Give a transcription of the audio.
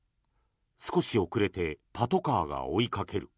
少し遅れてパトカーが追いかける。